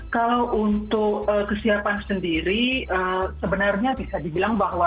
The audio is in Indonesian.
kalau untuk kesiapan sendiri sebenarnya bisa dibilang bahwa